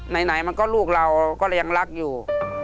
ไหนมันก็ลูกเราก็ยังรักอยู่